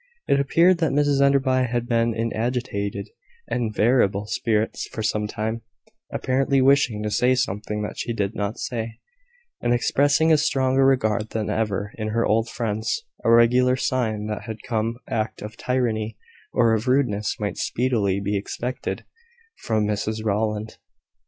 It appeared that Mrs Enderby had been in agitated and variable spirits for some time, apparently wishing to say something that she did not say, and expressing a stronger regard than ever for her old friends a regular sign that some act of tyranny or rudeness might speedily be expected from Mrs Rowland.